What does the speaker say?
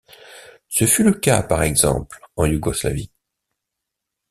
Ce fut le cas, par exemple, en Yougoslavie.